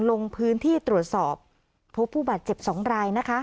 ลงพื้นที่ตรวจสอบพบผู้บาดเจ็บ๒รายนะคะ